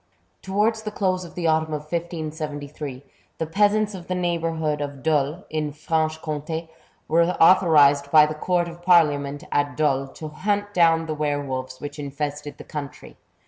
Towards the close of the autumn of 1578, the peasants of the neighbourhood of Dole, in Franche Comt^, were authorized by the Court of Parliament at Dole, to hunt down the were wolves which infested the country.